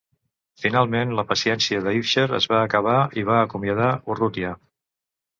Finalment, la paciència d'Ivcher es va acabar i va acomiadar Urrutia.